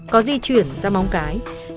có di chuyển ra móng cái giao dịch